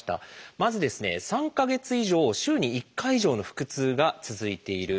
まずですね３か月以上週に１回以上の腹痛が続いている。